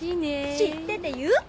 知ってて言うか！